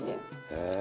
へえ。